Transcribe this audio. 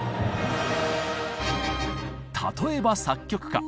例えば作曲家。